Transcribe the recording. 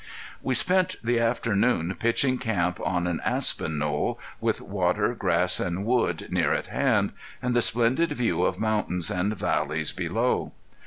We spent the afternoon pitching camp on an aspen knoll, with water, grass, and wood near at hand, and the splendid view of mountains and valleys below.